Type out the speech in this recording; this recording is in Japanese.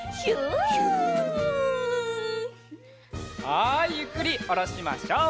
はいゆっくりおろしましょう。